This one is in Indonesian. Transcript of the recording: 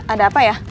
ada apa ya